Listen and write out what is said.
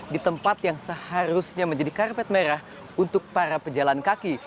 di tempat yang seharusnya menjadi karpet merah untuk para pejalan kaki